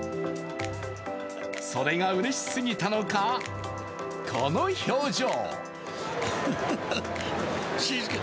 それが嬉しすぎたのか、この表情。